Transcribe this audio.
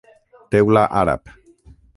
Teula àrab.